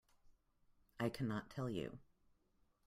I cannot tell you.